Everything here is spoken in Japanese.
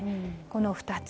この２つ。